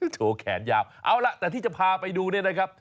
โชว์แขนยาวเอาล่ะแต่ที่จะพาไปดูเนี่ยนะครับ